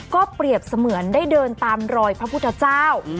ก็เปรียบเสมือนได้เดินตามรอยพระพุทธเจ้า